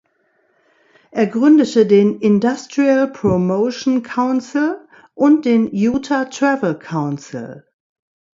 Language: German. Er gründete den "Industrial Promotion Council" und den "Utah Travel Council".